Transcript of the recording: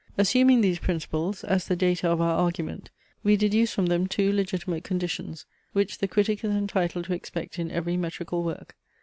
Assuming these principles, as the data of our argument, we deduce from them two legitimate conditions, which the critic is entitled to expect in every metrical work.